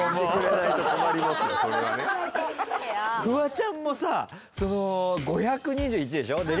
フワちゃんもさ５２１でしょ？